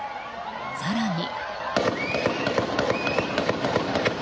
更に。